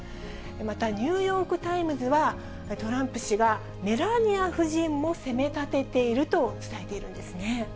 またニューヨークタイムズは、トランプ氏がメラニア夫人も責めたてていると伝えているんですね。